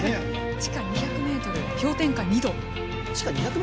地下２００ｍ、氷点下２度。